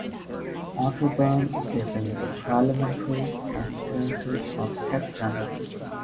Otterburn is in the parliamentary constituency of Hexham.